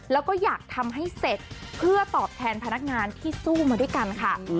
แล้วก็อยากทำให้เสร็จเพื่อตอบแทนพนักงานที่สู้มาด้วยกันค่ะ